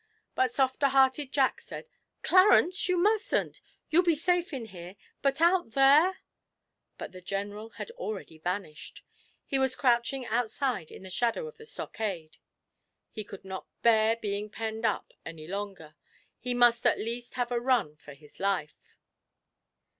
But softer hearted Jack said, 'Clarence, you mustn't. You'll be safe in here; but out there ' But the General had already vanished. He was crouching outside in the shadow of the stockade. He could not bear being penned up any longer; he must at least have a run for his life.